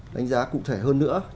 đánh giá cụ thể hơn nữa